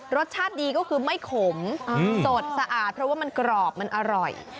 รสชาติดีก็คือไม่ขมสดสะอาดเพราะว่ามันกรอบมันอร่อย